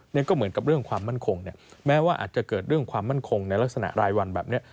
นี่ก็เหมือนกับเรื่องความมั่นคงเนี่ยแม้ว่าอาจจะเกิดเรื่องความมั่นคงในลักษณะรายวันแบบนี้